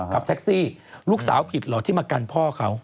กับแท็กซี่ลูกสาวผิดเหรอที่มากันพ่อเขา